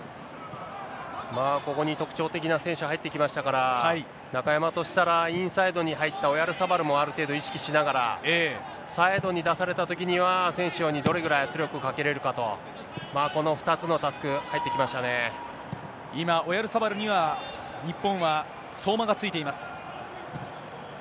まあ、ここに特徴的な選手が入ってきましたから、中山としたら、インサイドに入ったオヤルサバルもある程度、意識しながら、サイドに出されたときには、アセンシオにどれぐらい圧力をかけれるかと、この２つのタスク、今、オヤルサバルには、日本は相馬がついています。